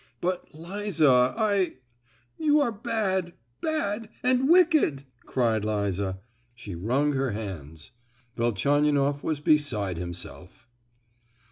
"But Liza—I——" "You are bad—bad—and wicked!" cried Liza. She wrung her hands. Velchaninoff was beside himself.